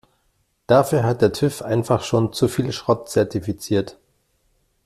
Dafür hat der TÜV einfach schon zu viel Schrott zertifiziert.